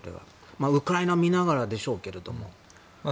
ウクライナを見ながらでしょうけども。